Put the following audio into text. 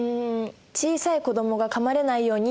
小さい子どもがかまれないようにとか？